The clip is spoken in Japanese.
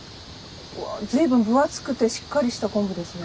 うわ随分分厚くてしっかりした昆布ですね。